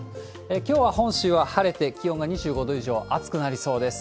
きょうは本州は晴れて、気温が２５度以上、暑くなりそうです。